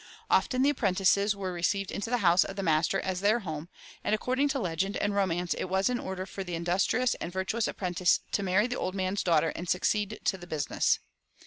Often the apprentices were received into the house of the master as their home, and according to legend and romance it was in order for the industrious and virtuous apprentice to marry the old man's daughter and succeed to the business.